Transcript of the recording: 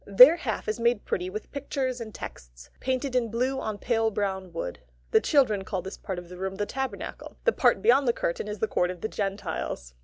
Their half is made pretty with pictures and texts, painted in blue on pale brown wood. The children call this part of the room the Tabernacle. The part beyond the curtain is the court of the Gentiles.